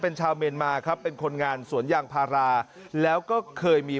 เป็นชาวเมียนมาครับเป็นคนงานสวนยางพาราแล้วก็เคยมี